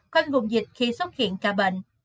quanh vùng dịch khi xuất hiện ca bệnh